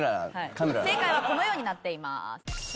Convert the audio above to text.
正解はこのようになっています。